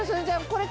これ。